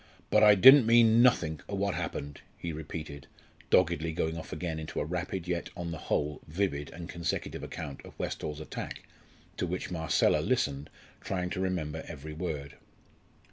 "But I didn't mean nothink o' what happened," he repeated, doggedly going off again into a rapid yet, on the whole, vivid and consecutive account of Westall's attack, to which Marcella listened, trying to remember every word.